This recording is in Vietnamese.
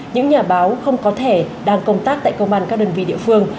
những nhà báo không có thẻ đang công tác tại công an các đơn vị địa phương